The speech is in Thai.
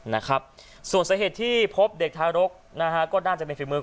นะครับส่วนสาเหตุที่พบเด็กทารกนะฮะก็น่าจะเป็นฝีมือ